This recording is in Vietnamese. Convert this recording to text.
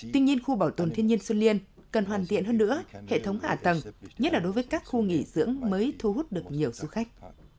tuy nhiên khu bảo tồn thiên nhiên xuân liên cần hoàn thiện hơn nữa hệ thống hạ tầng nhất là đối với các khu nghỉ dưỡng mới thu hút được nhiều du khách